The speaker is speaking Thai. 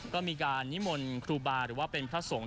ก็มีการนิมนต์ครูบาหรือว่าเป็นพระสงฆ์